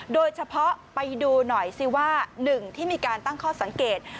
โดยเฉพาะไปดูหน่อยซิว่าหนึ่งที่มีการตั้งข้อสังเกต